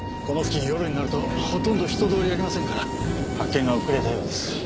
この付近夜になるとほとんど人通りありませんから発見が遅れたようです。